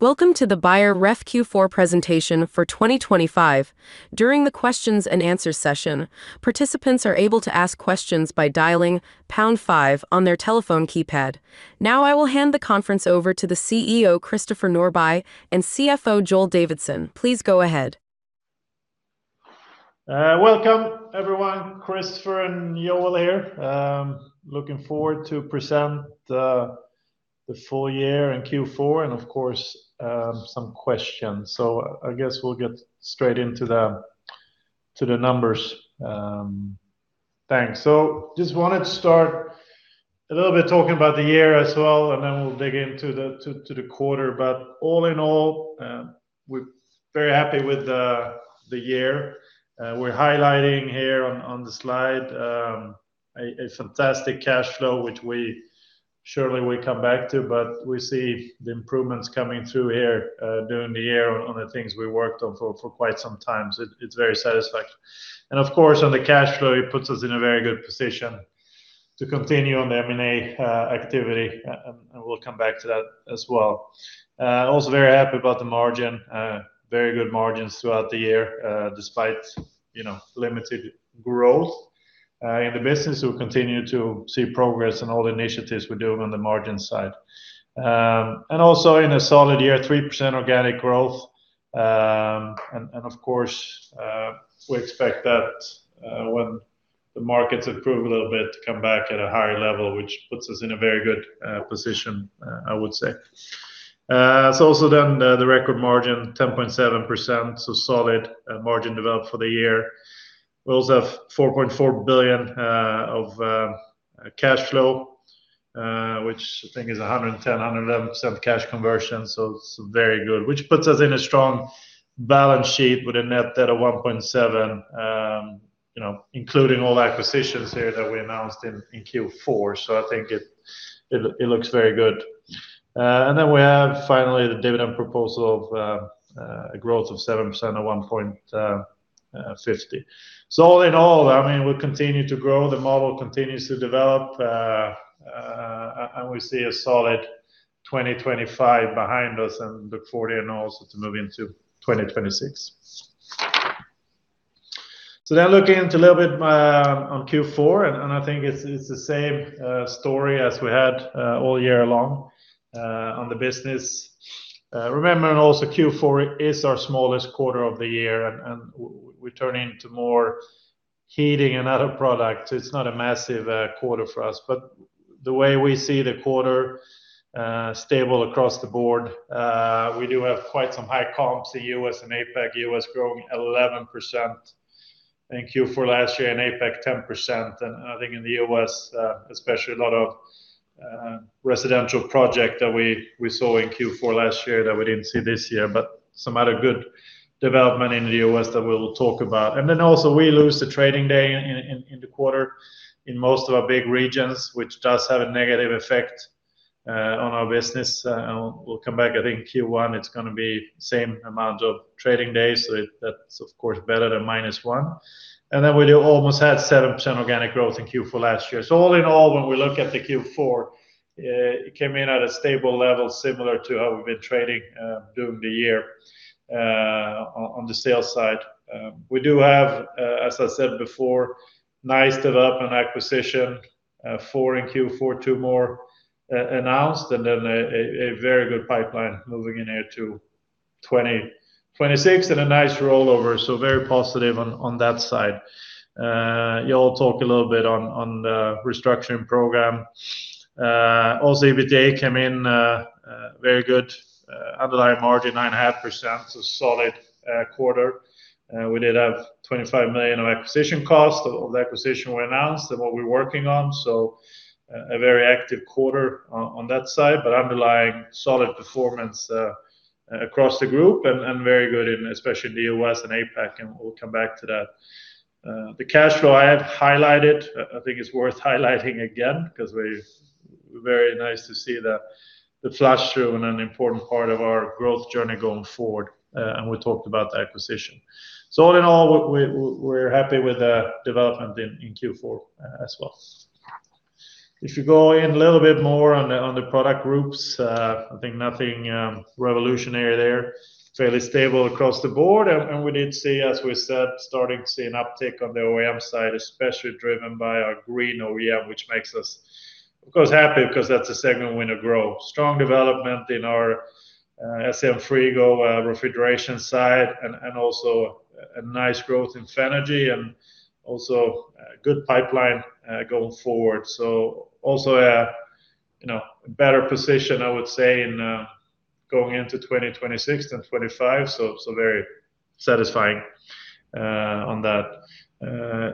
Welcome to the Beijer Ref Q4 presentation for 2025. During the questions and answers session, participants are able to ask questions by dialing pound five on their telephone keypad. Now, I will hand the conference over to the CEO, Christopher Norbye, and CFO, Joel Davidsson. Please go ahead. Welcome, everyone. Christopher and Joel here. Looking forward to present the full year in Q4 and, of course, some questions. So I guess we'll get straight into the numbers. Thanks. So just wanted to start a little bit talking about the year as well, and then we'll dig into the quarter. But all in all, we're very happy with the year. We're highlighting here on the slide a fantastic cash flow, which we surely will come back to, but we see the improvements coming through here during the year on the things we worked on for quite some time. So it's very satisfactory. And of course, on the cash flow, it puts us in a very good position to continue on the M&A activity, and we'll come back to that as well. Also very happy about the margin. Very good margins throughout the year, despite, you know, limited growth in the business. We continue to see progress in all the initiatives we're doing on the margin side. And also, in a solid year, 3% organic growth. And of course, we expect that when the markets improve a little bit, to come back at a higher level, which puts us in a very good position, I would say. So also then, the record margin, 10.7%, so solid margin developed for the year. We also have 4.4 billion of cash flow, which I think is 110%-111% cash conversion, so it's very good, which puts us in a strong balance sheet with a net debt of 1.7 billion. You know, including all the acquisitions here that we announced in Q4, so I think it looks very good. And then we have, finally, the dividend proposal of a growth of 7% at 1.50. So all in all, I mean, we continue to grow. The model continues to develop, and we see a solid 2025 behind us and look forward and also to move into 2026. So then looking into a little bit on Q4, and I think it's the same story as we had all year long on the business. Remembering also Q4 is our smallest quarter of the year, and we turn into more heating and other products. It's not a massive quarter for us, but the way we see the quarter stable across the board. We do have quite some high comps in U.S. and APAC. U.S. growing 11% in Q4 last year, and APAC, 10%. And I think in the U.S., especially a lot of residential project that we saw in Q4 last year that we didn't see this year, but some other good development in the U.S. that we'll talk about. And then also, we lose the trading day in the quarter in most of our big regions, which does have a negative effect on our business. We'll come back. I think Q1, it's gonna be same amount of trading days, so that's, of course, better than minus one. And then we do almost had 7% organic growth in Q4 last year. So all in all, when we look at the Q4, it came in at a stable level, similar to how we've been trading during the year on the sales side. We do have, as I said before, nice development acquisition, four in Q4, two more announced, and then a very good pipeline moving in here to 2026 and a nice rollover, so very positive on that side. You all talk a little bit on the restructuring program. Also, EBITDA came in very good. Underlying margin 9.5%, so solid quarter. We did have 25 million of acquisition cost of the acquisition we announced and what we're working on, so a very active quarter on that side, but underlying solid performance across the group and very good in especially the U.S. and APAC, and we'll come back to that. The cash flow I have highlighted, I think it's worth highlighting again, because it's very nice to see the flow through and an important part of our growth journey going forward, and we talked about the acquisition. So all in all, we're happy with the development in Q4 as well. If you go in a little bit more on the, on the product groups, I think nothing revolutionary there. Fairly stable across the board, and we did see, as we said, starting to see an uptick on the OEM side, especially driven by our green OEM, which makes us, of course, happy because that's a segment we want to grow. Strong development in our SCM Frigo refrigeration side, and also a nice growth in Fenagy, and also a good pipeline going forward. So also a, you know, better position, I would say, in going into 2026 and 2025, so very satisfying on that.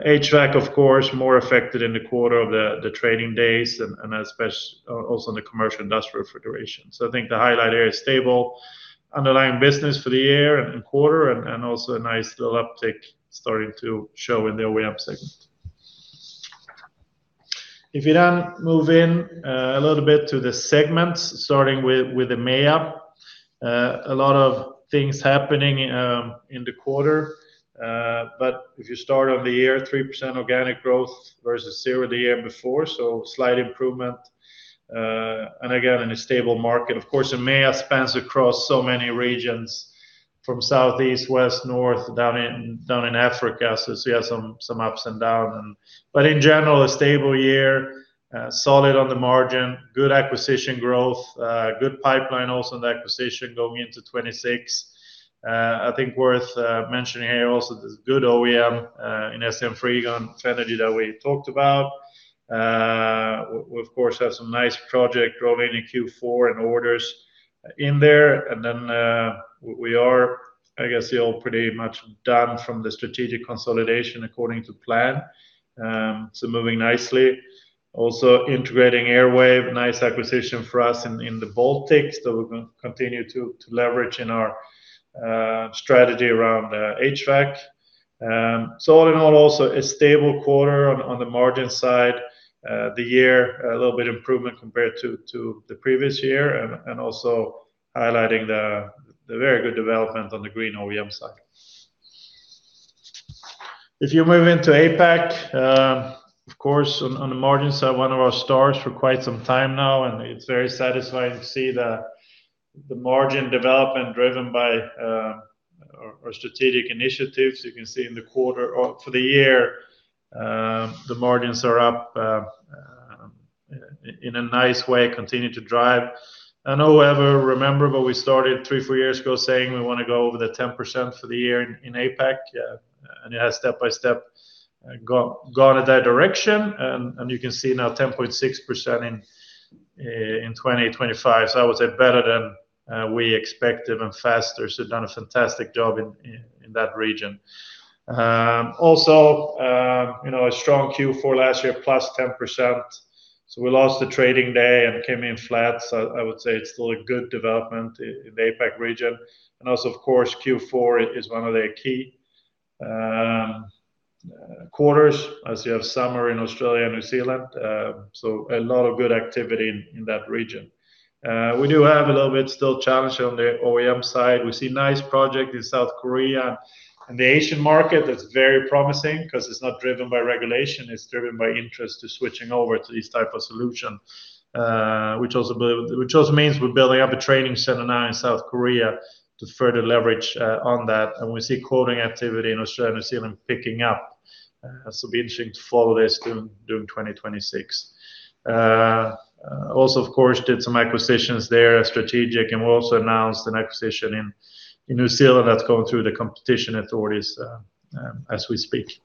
HVAC, of course, more affected in the quarter of the trading days and especially also in the commercial industrial refrigeration. So I think the highlight area is stable underlying business for the year and the quarter, and also a nice little uptick starting to show in the OEM segment. If you then move in a little bit to the segments, starting with the EMEA, a lot of things happening in the quarter. But if you start off the year, 3% organic growth versus zero the year before, so slight improvement, and again, in a stable market. Of course, the EMEA spans across so many regions from south, east, west, north, down in Africa. So we have some ups and downs. But in general, a stable year, solid on the margin, good acquisition growth, good pipeline also in the acquisition going into 2026. I think worth mentioning here also, this Green OEM in SCM Frigo strategy that we talked about. We, of course, have some nice project growing in Q4 and orders in there. And then, we are, I guess, still pretty much done from the strategic consolidation according to plan. So moving nicely. Also integrating Airwave, nice acquisition for us in the Baltics, that we're gonna continue to leverage in our strategy around HVAC. So all in all, also a stable quarter on the margin side. The year, a little bit improvement compared to the previous year, and also highlighting the very good development on the Green OEM side. If you move into APAC, of course, on the margin side, one of our stars for quite some time now, and it's very satisfying to see the margin development driven by our strategic initiatives. You can see in the quarter or for the year, the margins are up, in a nice way, continuing to drive. I know, however, remember when we started three, four years ago, saying we wanna go over the 10% for the year in APAC. And it has step by step gone in that direction. And you can see now 10.6% in 2025. So I would say better than we expected and faster. So done a fantastic job in that region. Also, you know, a strong Q4 last year, +10%. So we lost a trading day and came in flat. So I would say it's still a good development in the APAC region. And also, of course, Q4 is one of their key quarters, as you have summer in Australia and New Zealand. So a lot of good activity in that region. We do have a little bit still challenge on the OEM side. We see nice project in South Korea, and the Asian market is very promising 'cause it's not driven by regulation, it's driven by interest to switching over to these type of solution, which also means we're building up a training center now in South Korea to further leverage on that. And we see quoting activity in Australia and New Zealand picking up. So be interesting to follow this during 2026. Also, of course, did some acquisitions there, strategic, and we also announced an acquisition in New Zealand that's going through the competition authorities, as we speak.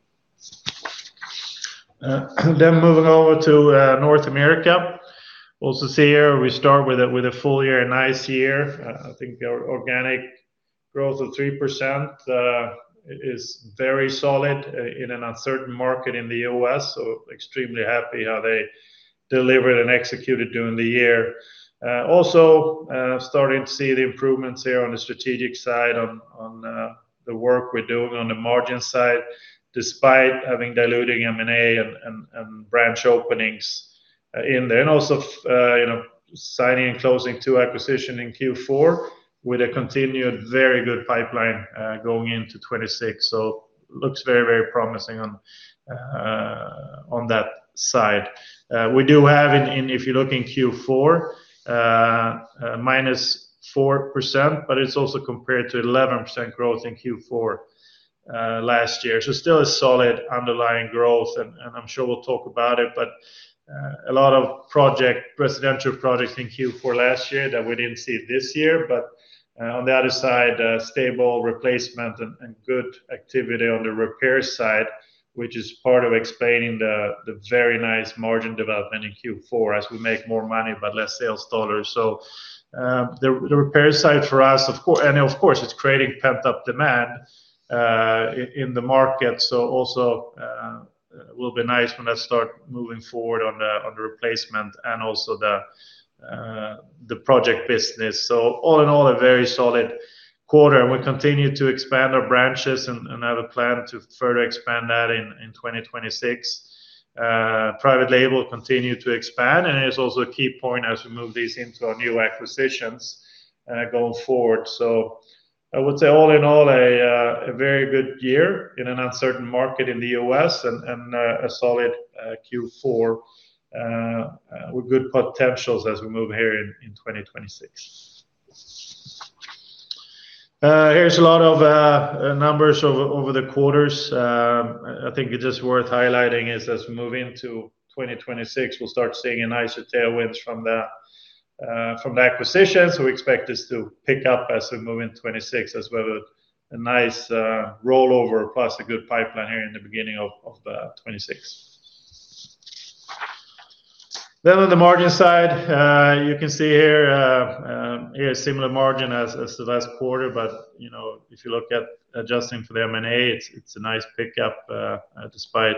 Then moving over to North America. Also see here, we start with a full year, a nice year. I think our organic growth of 3% is very solid in an uncertain market in the U.S. So extremely happy how they delivered and executed during the year. Also, starting to see the improvements here on the strategic side, on the work we're doing on the margin side, despite having diluting M&A and branch openings in there. And also, you know, signing and closing two acquisition in Q4 with a continued very good pipeline going into 2026. So looks very, very promising on that side. We do have in if you're looking Q4, -4%, but it's also compared to 11% growth in Q4 last year. So still a solid underlying growth, and I'm sure we'll talk about it, but a lot of project-residential projects in Q4 last year that we didn't see this year. But on the other side, stable replacement and good activity on the repair side, which is part of explaining the very nice margin development in Q4, as we make more money, but less sales dollars. So the repair side for us, of course... And of course, it's creating pent-up demand in the market. So also, will be nice when I start moving forward on the, on the replacement and also the, the project business. So all in all, a very solid quarter, and we continue to expand our branches and have a plan to further expand that in 2026. Private label continue to expand, and it is also a key point as we move these into our new acquisitions, going forward. So I would say, all in all, a very good year in an uncertain market in the U.S. and a solid Q4 with good potentials as we move here in 2026. Here's a lot of numbers over the quarters. I think it's just worth highlighting as we move into 2026, we'll start seeing a nicer tailwinds from the, from the acquisitions. We expect this to pick up as we move in 2026, as well as a nice, rollover, plus a good pipeline here in the beginning of, 2026. Then on the margin side, you can see here, here, a similar margin as, as the last quarter. But, you know, if you look at adjusting for the M&A, it's, it's a nice pickup, despite,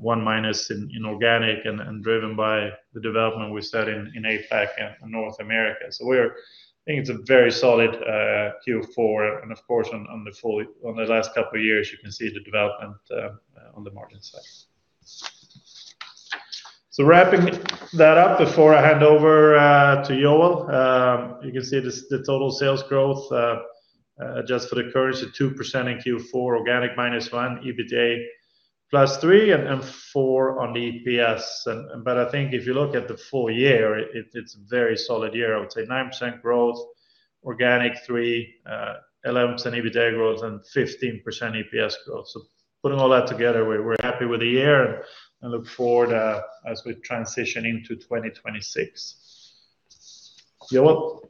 one minus in, in organic and, and driven by the development we said in, in APAC and North America. So we're thinking it's a very solid, Q4. And of course, on the last couple of years, you can see the development, on the margin side. So wrapping that up before I hand over to Joel, you can see the total sales growth, adjusted for the currency, 2% in Q4, organic -1. EBITDA +3% and +4% on the EPS. But I think if you look at the full year, it's a very solid year. I would say 9% growth, organic 3%, 11% EBITDA growth, and 15% EPS growth. So putting all that together, we're happy with the year, and I look forward as we transition into 2026. Joel?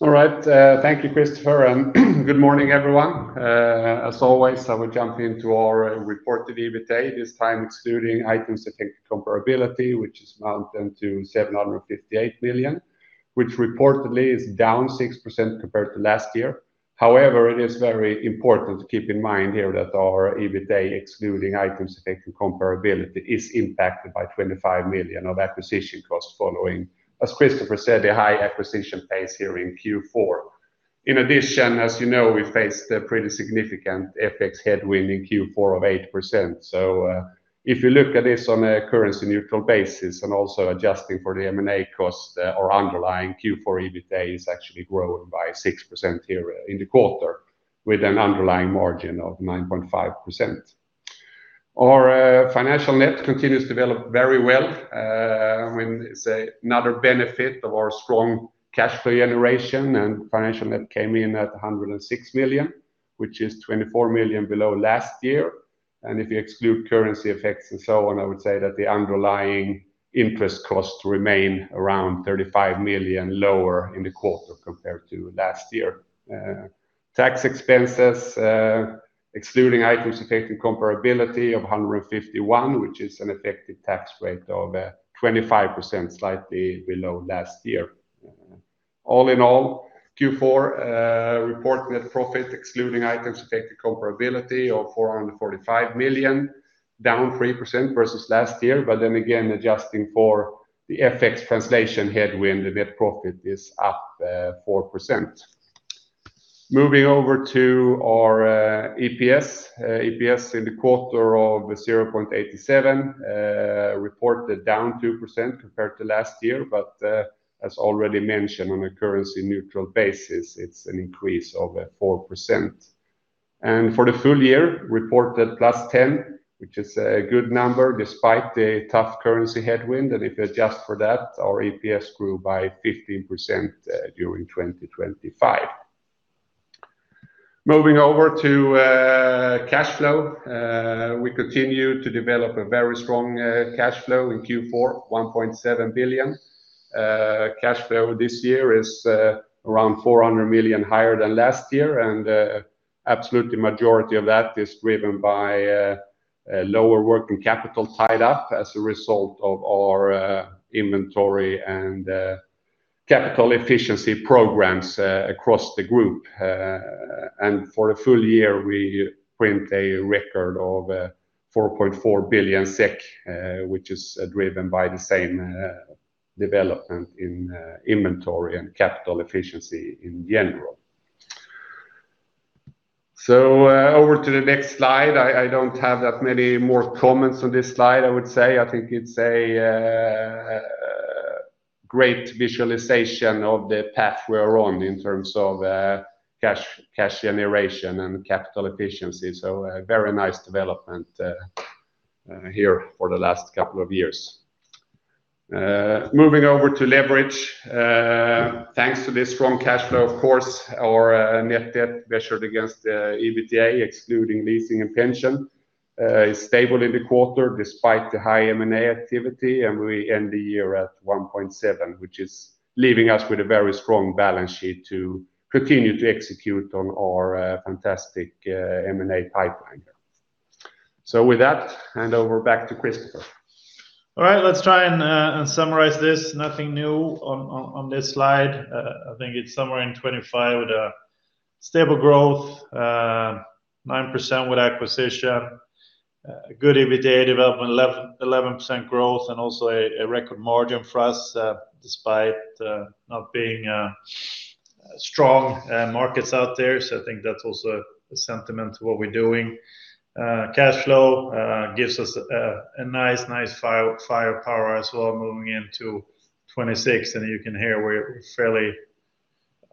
All right. Thank you, Christopher, and good morning, everyone. As always, I will jump into our reported EBITDA, this time excluding items affecting comparability, which is amounting to 758 million, which reportedly is down 6% compared to last year. However, it is very important to keep in mind here that our EBITDA, excluding items affecting comparability, is impacted by 25 million of acquisition costs following, as Christopher said, a high acquisition pace here in Q4. In addition, as you know, we faced a pretty significant FX headwind in Q4 of 8%. So, if you look at this on a currency-neutral basis and also adjusting for the M&A cost, our underlying Q4 EBITDA is actually grown by 6% here in the quarter, with an underlying margin of 9.5%. Our financial net continues to develop very well. I mean, it's another benefit of our strong cash flow generation, and financial net came in at 106 million, which is 24 million below last year. And if you exclude currency effects and so on, I would say that the underlying interest costs remain around 35 million lower in the quarter compared to last year. Tax expenses, excluding items affecting comparability of 151 million, which is an effective tax rate of 25%, slightly below last year. All in all, Q4 report net profit, excluding items affecting comparability, of 445 million, down 3% versus last year. But then again, adjusting for the FX translation headwind, the net profit is up 4%. Moving over to our EPS. EPS in the quarter of 0.87, reported down 2% compared to last year, but, as already mentioned, on a currency neutral basis, it's an increase of 4%. And for the full year, reported +10%, which is a good number, despite the tough currency headwind. And if you adjust for that, our EPS grew by 15% during 2025. Moving over to cash flow. We continue to develop a very strong cash flow in Q4, 1.7 billion. Cash flow this year is around 400 million higher than last year, and absolutely majority of that is driven by lower working capital tied up as a result of our inventory and capital efficiency programs across the group. And for a full year, we print a record of 4.4 billion SEK, which is driven by the same development in inventory and capital efficiency in general. So, over to the next slide. I don't have that many more comments on this slide, I would say. I think it's a great visualization of the path we are on in terms of cash, cash generation and capital efficiency. So a very nice development here for the last couple of years. Moving over to leverage. Thanks to the strong cash flow, of course, our net debt measured against EBITDA, excluding leasing and pension, is stable in the quarter, despite the high M&A activity, and we end the year at 1.7 times, which is leaving us with a very strong balance sheet to continue to execute on our fantastic M&A pipeline. So with that, hand over back to Christopher. All right, let's try and summarize this. Nothing new on this slide. I think it's somewhere in 2025 with a stable growth, 9% with acquisition, good EBITDA development, 11%, 11% growth, and also a record margin for us, despite not being strong markets out there. So I think that's also a sentiment to what we're doing. Cash flow gives us a nice firepower as well moving into 2026. And you can hear we're fairly,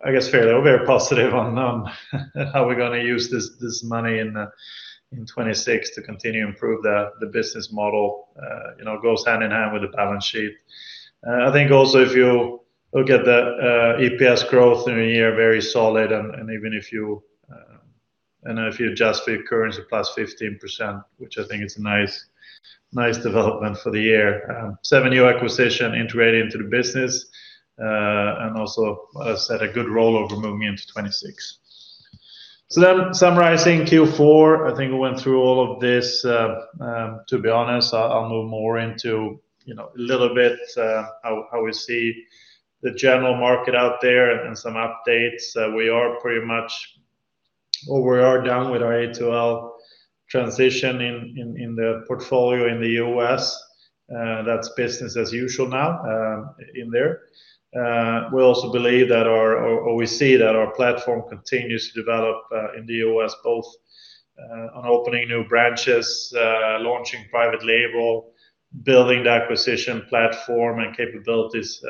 I guess, fairly, we're positive on how we're gonna use this money in 2026 to continue to improve the business model, you know, goes hand in hand with the balance sheet. I think also, if you look at the EPS growth in a year, very solid, and even if you adjust for your currency, +15%, which I think is a nice, nice development for the year. Seven new acquisition integrated into the business, and also, as I said, a good rollover moving into 2026. So then summarizing Q4, I think we went through all of this, to be honest. I'll, I'll move more into, you know, a little bit how we see the general market out there and some updates. We are pretty much... Well, we are done with our A2L transition in the portfolio in the U.S. That's business as usual now, in there. We also believe that our, or, or we see that our platform continues to develop in the U.S., both on opening new branches, launching private label-building the acquisition platform and capabilities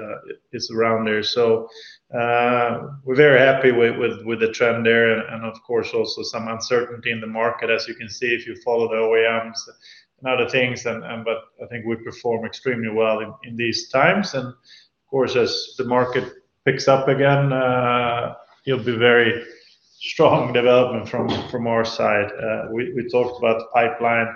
is around there. So, we're very happy with the trend there, and of course, also some uncertainty in the market, as you can see, if you follow the OEMs and other things and, but I think we perform extremely well in these times. And of course, as the market picks up again, it'll be very strong development from our side. We talked about the pipeline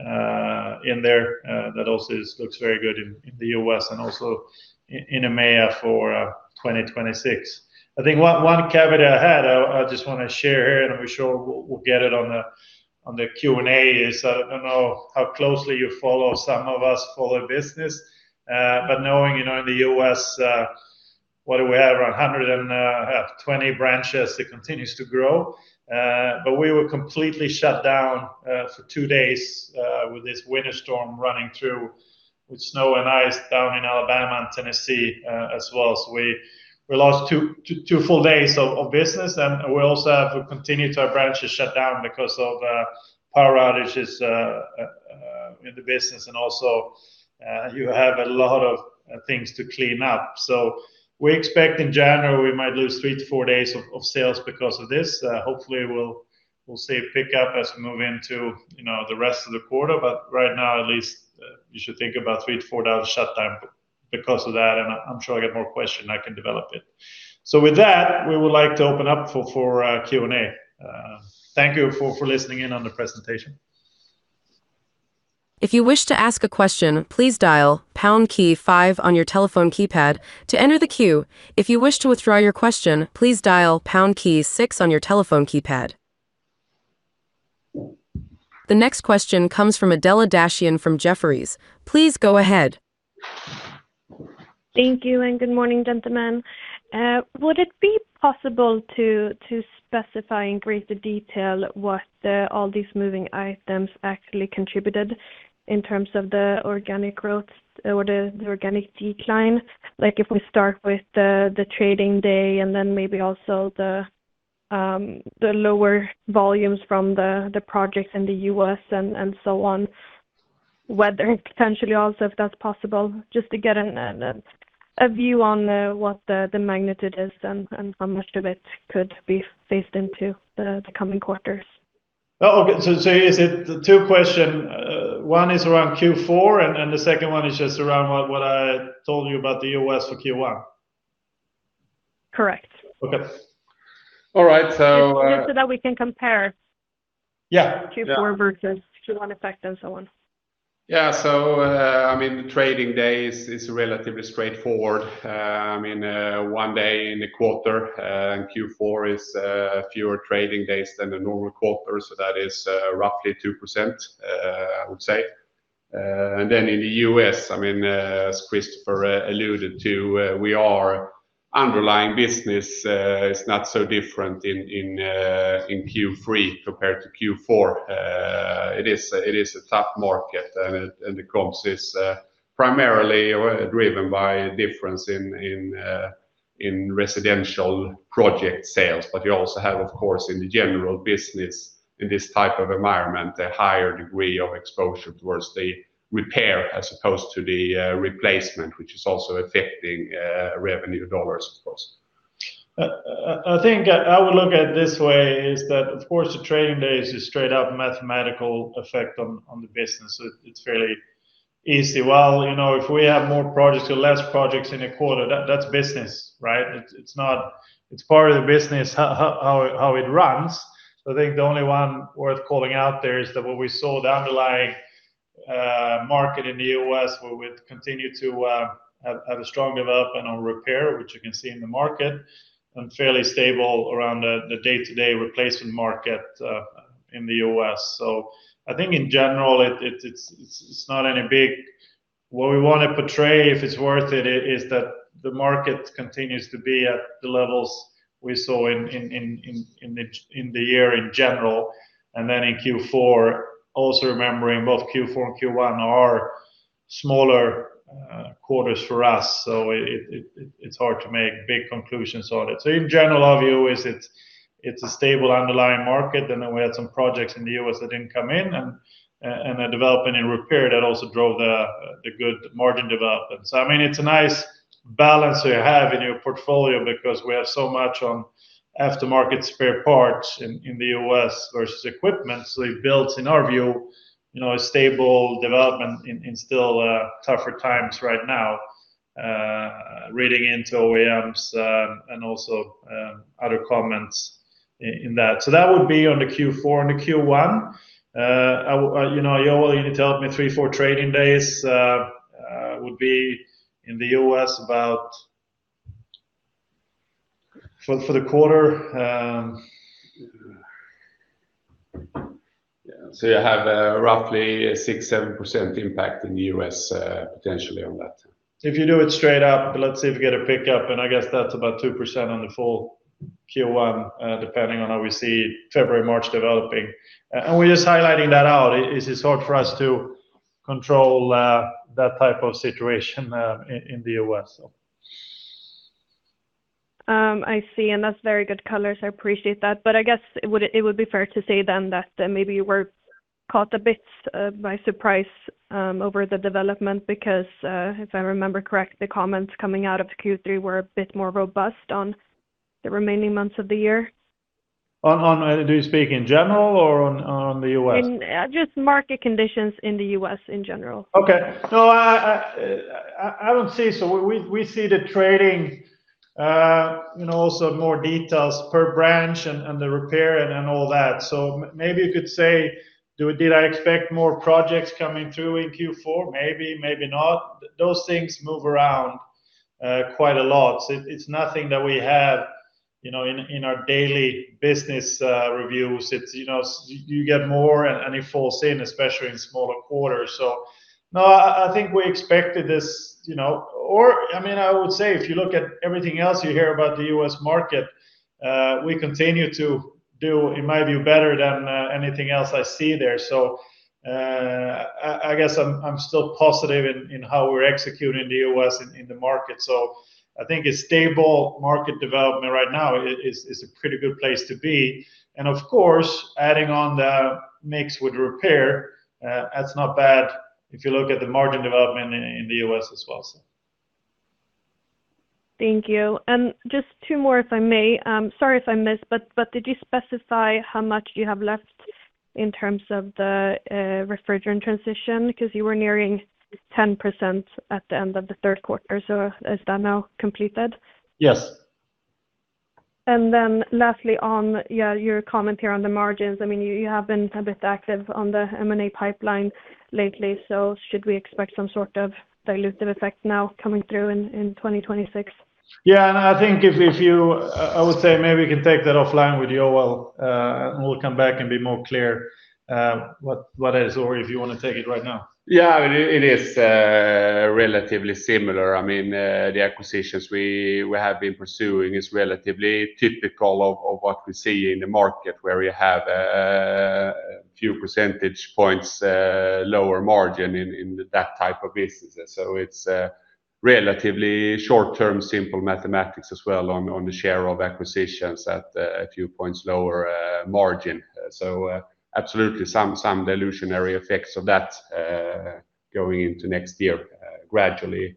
in there, that also looks very good in the U.S. and also in EMEA for 2026. I think one caveat I had. I just wanna share here, and I'm sure we'll get it on the Q&A, is I don't know how closely you follow some of us for the business, but knowing, you know, in the U.S., what do we have? Around 120 branches. It continues to grow, but we were completely shut down for two days with this winter storm running through, with snow and ice down in Alabama and Tennessee, as well. So we lost two full days of business, and we also have continued to have branches shut down because of power outages in the business, and also you have a lot of things to clean up. So we expect in January, we might lose 3-4 days of sales because of this. Hopefully, we'll see a pickup as we move into, you know, the rest of the quarter, but right now, at least, you should think about 3-4 days of shutdown because of that, and I'm sure I'll get more question, I can develop it. So with that, we would like to open up for Q&A. Thank you for listening in on the presentation. If you wish to ask a question, please dial pound key five on your telephone keypad to enter the queue. If you wish to withdraw your question, please dial pound key six on your telephone keypad. The next question comes from Adela Dashian from Jefferies. Please go ahead. Thank you, and good morning, gentlemen. Would it be possible to specify in greater detail what all these moving items actually contributed in terms of the organic growth or the organic decline? Like, if we start with the trading day, and then maybe also the lower volumes from the projects in the U.S. and so on. Whether potentially also, if that's possible, just to get a view on what the magnitude is and how much of it could be phased into the coming quarters. Oh, okay. So, so is it two question? One is around Q4, and, and the second one is just around what, what I told you about the U.S. for Q1. Correct. Okay. All right, so, Just so that we can compare- Yeah? Q4 versus Q1 effect and so on. Yeah. So, I mean, the trading days is relatively straightforward. I mean, one day in the quarter, in Q4 is fewer trading days than the normal quarter, so that is roughly 2%, I would say. And then in the U.S., I mean, as Christopher alluded to, we are underlying business is not so different in Q3 compared to Q4. It is a tough market, and the comps is primarily driven by a difference in residential project sales. But you also have, of course, in the general business, in this type of environment, a higher degree of exposure towards the repair as opposed to the replacement, which is also affecting revenue dollars, of course. I think I would look at it this way, is that, of course, the trading days is straight up mathematical effect on the business. It's fairly easy. Well, you know, if we have more projects or less projects in a quarter, that's business, right? It's not. It's part of the business, how it runs. So I think the only one worth calling out there is that what we saw, the underlying market in the U.S., where we continue to have a strong development on repair, which you can see in the market, and fairly stable around the day-to-day replacement market in the U.S. So I think in general, it's not any big. What we want to portray, if it's worth it, is that the market continues to be at the levels we saw in the year in general, and then in Q4, also remembering both Q4 and Q1 are smaller quarters for us, so it's hard to make big conclusions on it. So in general, our view is it's a stable underlying market, and then we had some projects in the U.S. that didn't come in, and a development in repair that also drove the good margin development. So I mean, it's a nice balance you have in your portfolio because we have so much on aftermarket spare parts in the U.S. versus equipment. So it builds, in our view, you know, a stable development in still tougher times right now, reading into OEMs, and also other comments in that. So that would be on the Q4 and the Q1. I, you know, Joel, you told me 3-4 trading days would be in the U.S. about, for the quarter. Yeah. So you have a roughly 6%-7% impact in the U.S., potentially on that. If you do it straight up, let's see if we get a pickup, and I guess that's about 2% on the full Q1, depending on how we see February, March developing. And we're just highlighting that out. It is hard for us to control that type of situation in the U.S. I see, and that's very good colors. I appreciate that, but I guess it would, it would be fair to say then that maybe you were caught a bit by surprise over the development because if I remember correct, the comments coming out of Q3 were a bit more robust on the remaining months of the year? Do you speak in general or on the U.S.? In just market conditions in the U.S. in general. Okay. No, I don't see. So we see the trading, you know, also more details per branch and the repair and all that. So maybe you could say, did I expect more projects coming through in Q4? Maybe, maybe not. Those things move around quite a lot. So it's nothing that we have, you know, in our daily business reviews. It's, you know, you get more and it falls in, especially in smaller quarters. So, no, I think we expected this, you know, or, I mean, I would say if you look at everything else you hear about the U.S. market, we continue to do, in my view, better than anything else I see there. So, I guess I'm still positive in how we're executing the U.S. in the market. So I think a stable market development right now is a pretty good place to be, and of course, adding on the mix with repair, that's not bad if you look at the margin development in the U.S. as well, so. Thank you. Just two more, if I may. Sorry if I missed, but did you specify how much you have left in terms of the refrigerant transition? Because you were nearing 10% at the end of the third quarter. Is that now completed? Yes. And then lastly, on, yeah, your comment here on the margins. I mean, you, you have been a bit active on the M&A pipeline lately, so should we expect some sort of dilutive effect now coming through in, in 2026? Yeah, and I think if you, I would say maybe we can take that offline with you, well, and we'll come back and be more clear, what is or if you want to take it right now. Yeah, it is relatively similar. I mean, the acquisitions we have been pursuing is relatively typical of what we see in the market, where you have a few percentage points lower margin in that type of businesses. So it's relatively short term, simple mathematics as well on the share of acquisitions at a few points lower margin. So absolutely some dilutionary effects of that going into next year gradually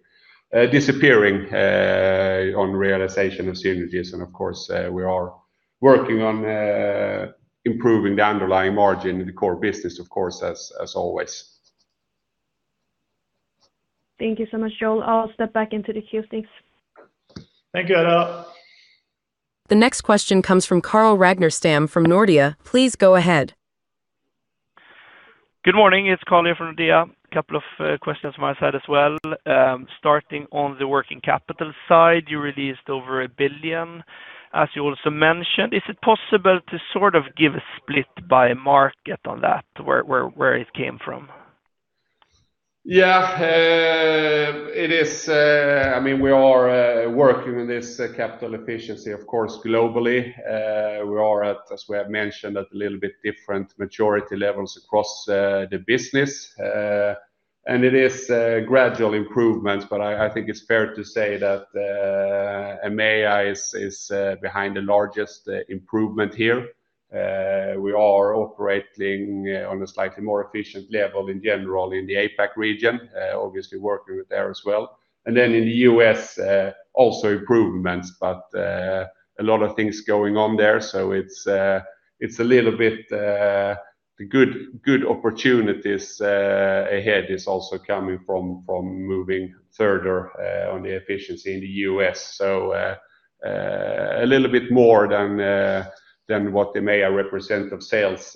disappearing on realization of synergies. And of course we are working on improving the underlying margin in the core business, of course, as always. Thank you so much, Joel. I'll step back into the queue. Thanks. Thank you, Adela. The next question comes from Carl Ragnerstam from Nordea. Please go ahead. Good morning. It's Carl here from Nordea. A couple of questions from my side as well. Starting on the working capital side, you released over 1 billion, as you also mentioned. Is it possible to sort of give a split by market on that, where it came from? Yeah. It is, I mean, we are working with this capital efficiency, of course, globally. We are at, as we have mentioned, at a little bit different maturity levels across the business. And it is gradual improvements, but I think it's fair to say that EMEA is behind the largest improvement here. We are operating on a slightly more efficient level in general in the APAC region, obviously working with there as well. And then in the U.S., also improvements, but a lot of things going on there. So it's a little bit the good opportunities ahead is also coming from moving further on the efficiency in the U.S.. A little bit more than what the EMEA represent of sales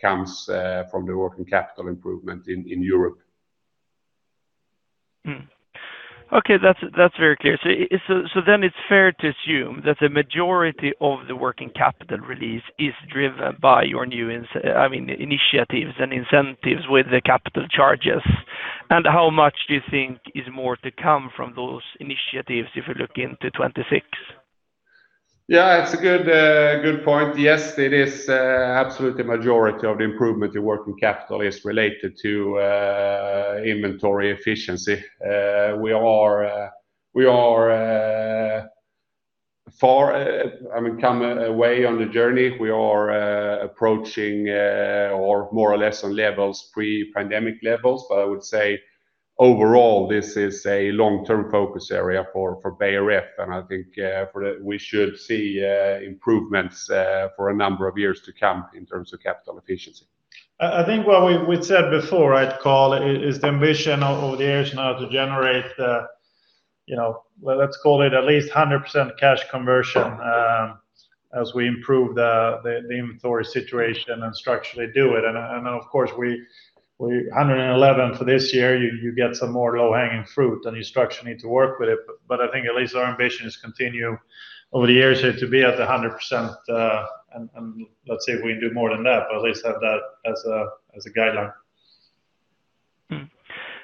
comes from the working capital improvement in Europe. Okay, that's very clear. So then it's fair to assume that the majority of the working capital release is driven by your new—I mean, initiatives and incentives with the capital charges. And how much do you think is more to come from those initiatives if you look into 2026? Yeah, it's a good, good point. Yes, it is, absolutely majority of the improvement in working capital is related to, inventory efficiency. We are, we are, far, I mean, come away on the journey. We are, approaching, or more or less on levels, pre-pandemic levels. But I would say, overall, this is a long-term focus area for, for Beijer Ref, and I think, for the- we should see, improvements, for a number of years to come in terms of capital efficiency. I think what we said before, right, Carl, is the ambition over the years now to generate the, you know, well, let's call it at least 100% cash conversion, as we improve the inventory situation and structurally do it. And of course, we hundred and eleven for this year, you get some more low-hanging fruit, and you structurally need to work with it. But I think at least our ambition is continue over the years to be at the 100%, and let's see if we can do more than that, but at least have that as a guideline.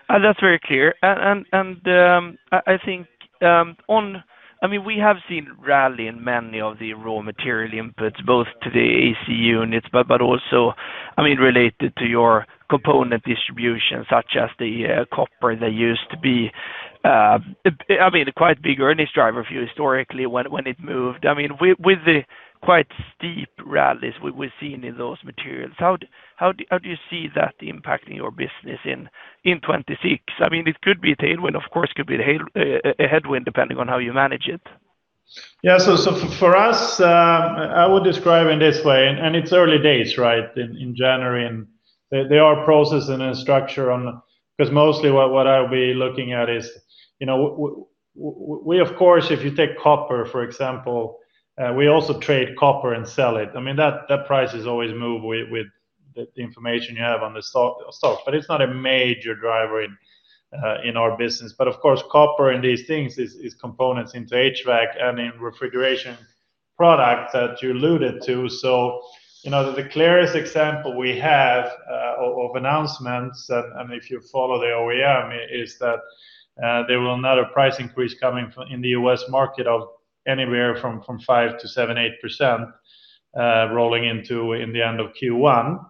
That's very clear. And I think, I mean, we have seen rally in many of the raw material inputs, both to the AC units, but also I mean, related to your component distribution, such as the copper, that used to be I mean, a quite big earnings driver for you historically when it moved. I mean, with the quite steep rallies we've seen in those materials, how do you see that impacting your business in 2026? I mean, it could be a tailwind, of course, could be a headwind, depending on how you manage it. Yeah. So for us, I would describe in this way, and it's early days, right, in January, and there are processes and a structure on... Because mostly what I'll be looking at is, you know, we, of course, if you take copper, for example, we also trade copper and sell it. I mean, that price is always move with the information you have on the stock, but it's not a major driver in our business. But of course, copper in these things is components into HVAC and in refrigeration products that you alluded to. So, you know, the clearest example we have of announcements and if you follow the OEM is that there will another price increase coming in the U.S. market of anywhere from five to seven, eight percent rolling into the end of Q1.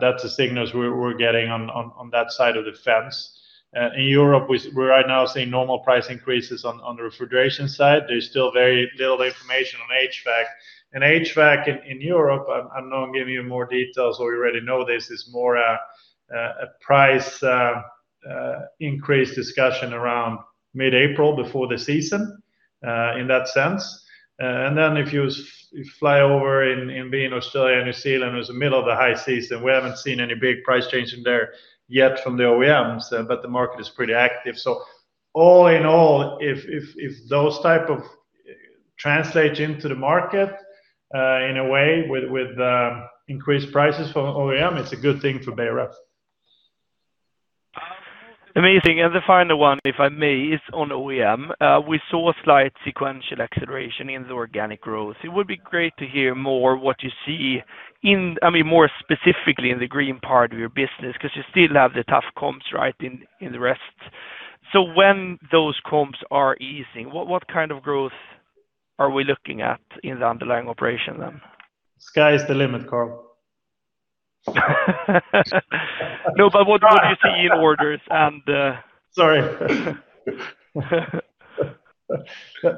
That's the signals we're getting on that side of the fence. In Europe, we're right now seeing normal price increases on the refrigeration side. There's still very little information on HVAC. And HVAC in Europe, I'm not giving you more details, or you already know this, is more a price increase discussion around mid-April before the season in that sense. And then if you fly over in being Australia and New Zealand, it's the middle of the high season. We haven't seen any big price change in there yet from the OEMs, but the market is pretty active. So all in all, if those type of translate into the market, in a way with increased prices from OEM, it's a good thing for Beijer Ref. Amazing. And the final one, if I may, is on OEM. We saw a slight sequential acceleration in the organic growth. It would be great to hear more what you see in... I mean, more specifically in the green part of your business, because you still have the tough comps, right, in the rest. So when those comps are easing, what kind of growth are we looking at in the underlying operation then? Sky is the limit, Carl. No, but what, what do you see in orders and- Sorry.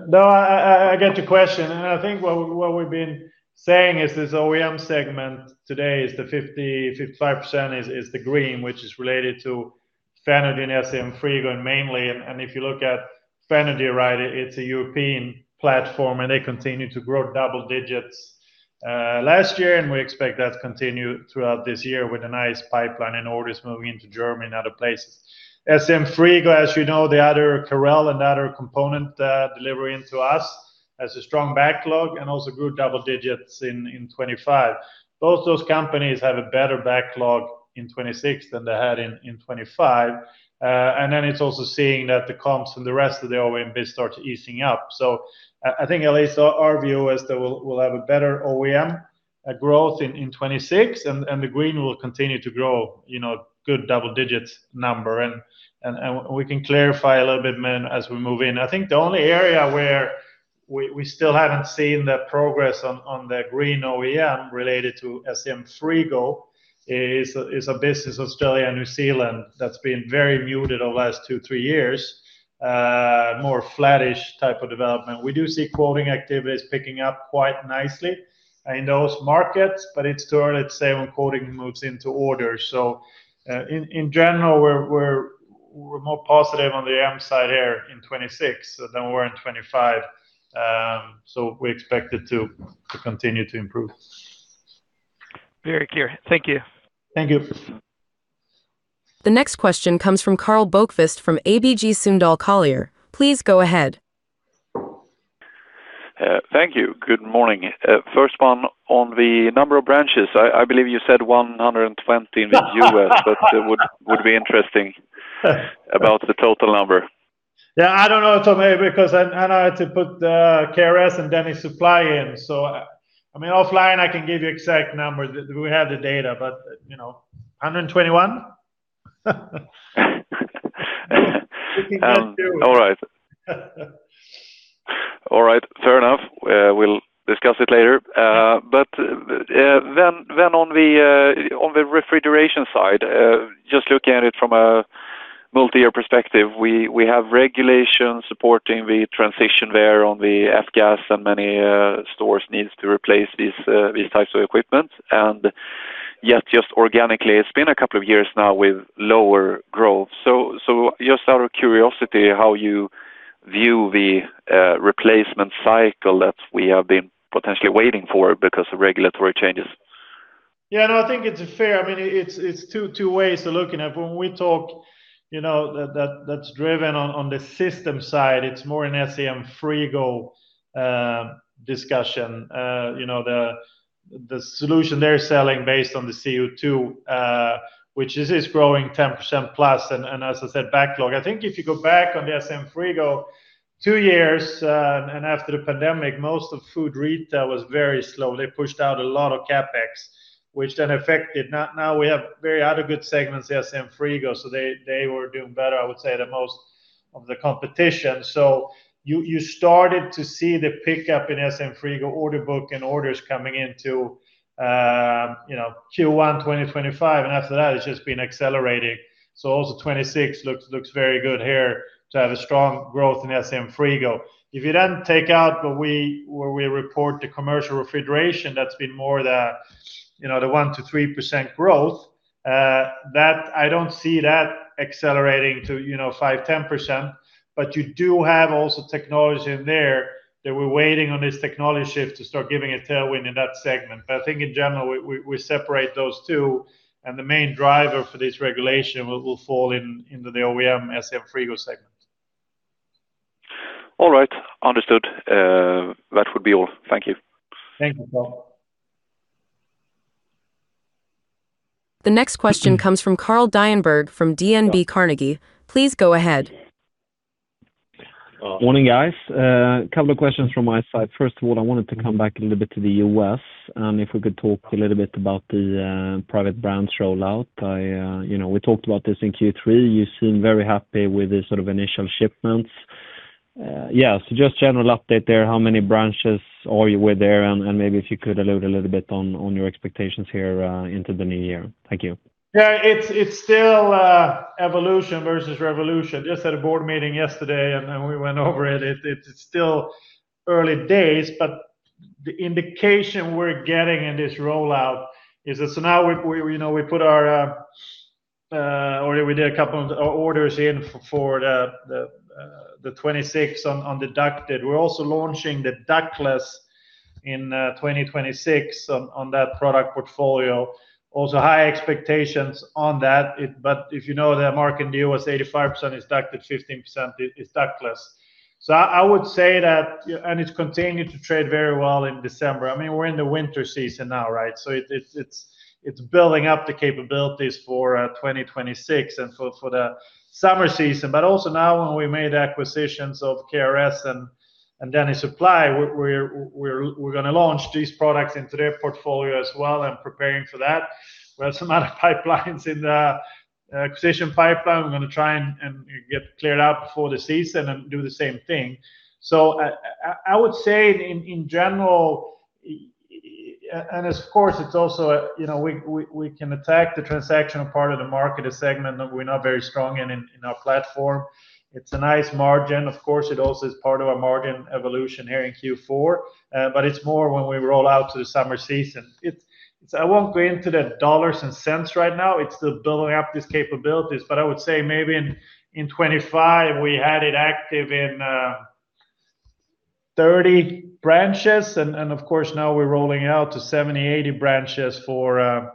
No, I get your question, and I think what we've been saying is this OEM segment today is the 50%-55% is the green, which is related to Fenagy and SCM Frigo mainly. And if you look at Fenagy, right, it's a European platform, and they continue to grow double digits last year, and we expect that to continue throughout this year with a nice pipeline and orders moving into Germany and other places. SCM Frigo, as you know, the other core and the other component delivery into us, has a strong backlog and also grew double digits in 2025. Both those companies have a better backlog in 2026 than they had in 2025. And then it's also seeing that the comps and the rest of the OEM biz starts easing up. So I think at least our view is that we'll have a better OEM growth in 2026, and the green will continue to grow, you know, good double digits number. And we can clarify a little bit then as we move in. I think the only area where we still haven't seen the progress on the green OEM related to SCM Frigo is a business, Australia and New Zealand, that's been very muted over the last 2-3 years, more flattish type of development. We do see quoting activities picking up quite nicely in those markets, but it's too early to say when quoting moves into order. So in general, we're more positive on the OEM side here in 2026 than we were in 2025. So we expect it to continue to improve. Very clear. Thank you. Thank you. The next question comes from Karl Bokvist from ABG Sundal Collier. Please go ahead. Thank you. Good morning. First one, on the number of branches, I believe you said 120 in the U.S., but it would be interesting about the total number. Yeah, I don't know, Karl, because I know I had to put the K&R and Dennis Supply in. So, I mean, offline, I can give you exact numbers. We have the data, but, you know, 121? All right. All right. Fair enough. We'll discuss it later. But then on the refrigeration side, just looking at it from a multi-year perspective, we have regulations supporting the transition there on the F-gas, and many stores needs to replace these types of equipment. And yet, just organically, it's been a couple of years now with lower growth. So just out of curiosity, how you view the replacement cycle that we have been potentially waiting for because of regulatory changes? Yeah, no, I think it's fair. I mean, it's two ways to looking at. When we talk, you know, that's driven on the system side, it's more an SCM Frigo discussion. You know, the solution they're selling based on the CO2, which is growing 10%+, and as I said, backlog. I think if you go back on the SCM Frigo two years, and after the pandemic, most of food retail was very slow. They pushed out a lot of CapEx, which then affected. Now we have very other good segments, SCM Frigo, so they were doing better, I would say, than most of the competition. So you started to see the pickup in SCM Frigo order book and orders coming into, you know, Q1 2025, and after that, it's just been accelerating. So also 2026 looks very good here to have a strong growth in SCM Frigo. If you then take out the where we report the commercial refrigeration, that's been more the, you know, the 1%-3% growth that I don't see that accelerating to, you know, 5%-10%. But you do have also technology in there, that we're waiting on this technology shift to start giving a tailwind in that segment. But I think in general, we separate those two, and the main driver for this regulation will fall into the OEM SCM Frigo segment. All right, understood. That would be all. Thank you. Thank you, Karl. The next question comes from Karl Hedberg, from DNB Carnegie. Please go ahead. Morning, guys. A couple of questions from my side. First of all, I wanted to come back a little bit to the U.S., and if we could talk a little bit about the private brands rollout. You know, we talked about this in Q3. You seem very happy with the sort of initial shipments. Yeah, so just general update there, how many branches are you with there? And maybe if you could allude a little bit on your expectations here into the new year. Thank you. Yeah, it's still evolution versus revolution. Just had a board meeting yesterday, and then we went over it. It's still early days, but the indication we're getting in this rollout is that so now we, you know, we put our or we did a couple of orders in for the 2026 on the ducted. We're also launching the ductless in 2026 on that product portfolio. Also, high expectations on that. But if you know that market in the U.S., 85% is ducted, 15% is ductless. So I would say that. And it's continued to trade very well in December. I mean, we're in the winter season now, right? So it's building up the capabilities for 2026 and for the summer season. But also now, when we made acquisitions of K&R and Danny Supply, we're gonna launch these products into their portfolio as well and preparing for that. We have some other pipelines in the acquisition pipeline. We're gonna try and get cleared up before the season and do the same thing. So I would say in general, and of course, it's also, you know, we can attack the transactional part of the market, a segment that we're not very strong in our platform. It's a nice margin. Of course, it also is part of our margin evolution here in Q4, but it's more when we roll out to the summer season. It's. I won't go into the dollars and cents right now. It's the building up these capabilities, but I would say maybe in 2025, we had it active in 30 branches, and of course, now we're rolling out to 70, 80 branches for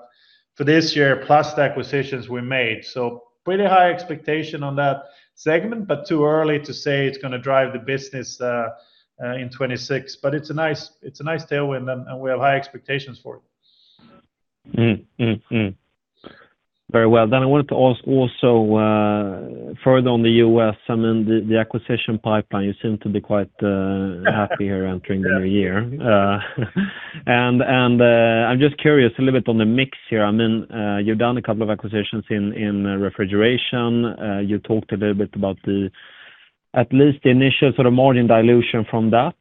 this year, plus the acquisitions we made. So pretty high expectation on that segment, but too early to say it's gonna drive the business in 2026. But it's a nice tailwind, and we have high expectations for it. Very well. Then I wanted to ask also further on the U.S., I mean, the acquisition pipeline, you seem to be quite happy here entering the new year. And I'm just curious a little bit on the mix here. I mean, you've done a couple of acquisitions in refrigeration. You talked a little bit about the at least the initial sort of margin dilution from that.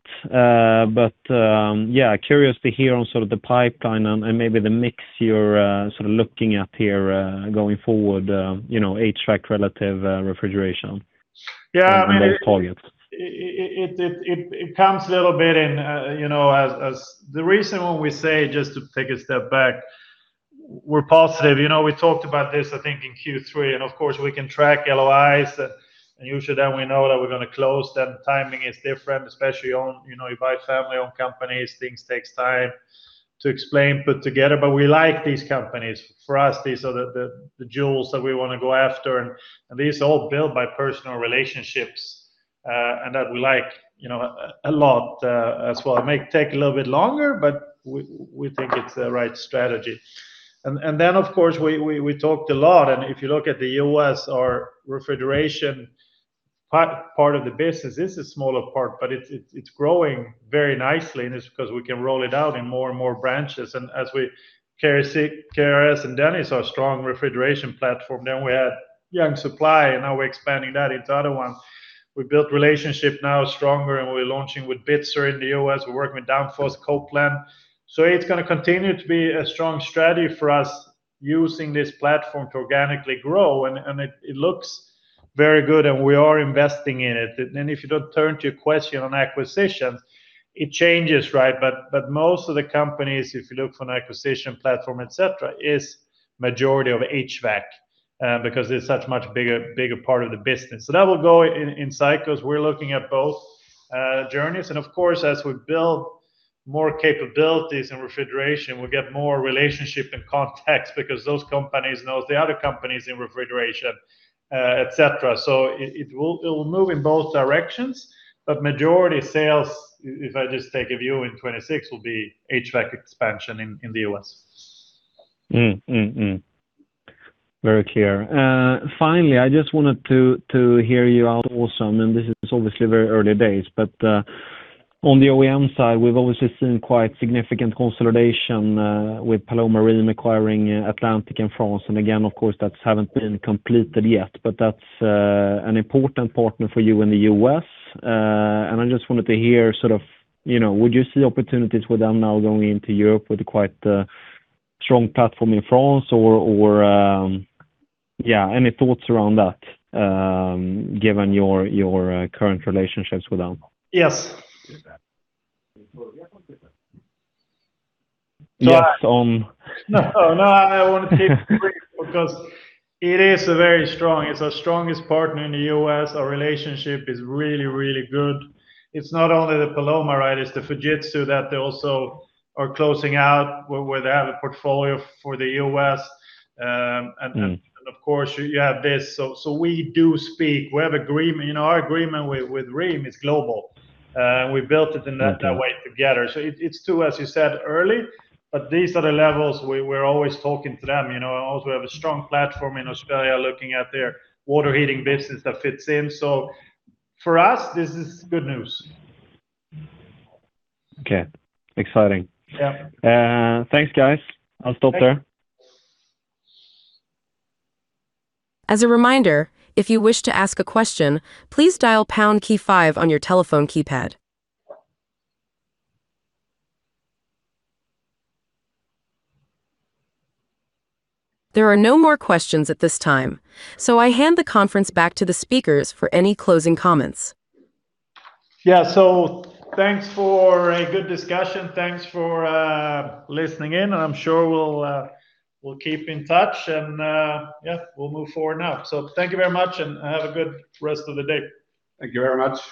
But yeah, curious to hear on sort of the pipeline and maybe the mix you're sort of looking at here going forward, you know, HVAC relative refrigeration and those volumes. Yeah, I mean, it comes a little bit in, you know, as. The reason when we say, just to take a step back, we're positive. You know, we talked about this, I think, in Q3, and of course, we can track LOIs, and usually, then we know that we're gonna close, then timing is different, especially on, you know, you buy family-owned companies, things takes time to explain, put together. But we like these companies. For us, these are the jewels that we wanna go after, and these are all built by personal relationships, and that we like, you know, a lot, as well. It may take a little bit longer, but we think it's the right strategy. And then, of course, we talked a lot, and if you look at the U.S., our refrigeration part of the business is a smaller part, but it's growing very nicely, and it's because we can roll it out in more and more branches. And as we, K&R and Danny's are a strong refrigeration platform. Then we had Young Supply, and now we're expanding that into other ones. We built relationship now stronger, and we're launching with Bitzer in the U.S. We're working with Danfoss, Copeland. So it's gonna continue to be a strong strategy for us, using this platform to organically grow, and it looks very good, and we are investing in it. Then if you turn to your question on acquisitions, it changes, right? But most of the companies, if you look for an acquisition platform, et cetera, is majority of HVAC, because it's such a much bigger, bigger part of the business. So that will go in cycles. We're looking at both journeys, and of course, as we build more capabilities in refrigeration, we get more relationship and context because those companies knows the other companies in refrigeration, et cetera. So it will move in both directions, but majority sales, if I just take a view in 2026, will be HVAC expansion in the U.S. Very clear. Finally, I just wanted to hear you out also, and this is obviously very early days, but on the OEM side, we've obviously seen quite significant consolidation with Paloma Rheem acquiring Atlantic in France. And again, of course, that's haven't been completed yet, but that's an important partner for you in the U.S.. And I just wanted to hear, you know, would you see opportunities with them now going into Europe with a quite strong platform in France or, yeah, any thoughts around that, given your current relationships with them? Yes. Yes, on- No, no, I want to keep it brief because it is very strong. It's our strongest partner in the U.S. Our relationship is really, really good. It's not only the Paloma, right? It's the Fujitsu that they also are closing out where they have a portfolio for the U.S. Mm. Of course, you have this. So we do speak. We have agreement. You know, our agreement with Rheem is global, and we built it in that way together. So it's too early, as you said, but these are the levels we're always talking to them, you know. Also, we have a strong platform in Australia looking at their water heating business that fits in. So for us, this is good news. Okay. Exciting. Yeah. Thanks, guys. I'll stop there. As a reminder, if you wish to ask a question, please dial pound key five on your telephone keypad. There are no more questions at this time, so I hand the conference back to the speakers for any closing comments. Yeah, so thanks for a good discussion. Thanks for listening in, and I'm sure we'll keep in touch and yeah, we'll move forward now. So thank you very much, and have a good rest of the day. Thank you very much.